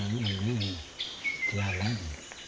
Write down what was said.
bagaimana kita bisa menjaga alam